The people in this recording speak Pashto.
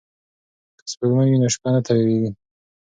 که سپوږمۍ وي نو شپه نه تورېږي.